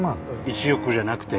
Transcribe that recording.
１億じゃなくて。